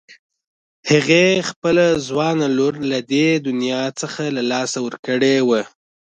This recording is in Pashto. هغې خپله ځوانه لور له دې دنيا څخه له لاسه ورکړې وه.